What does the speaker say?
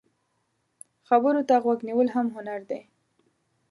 خبرو ته غوږ نیول هم هنر دی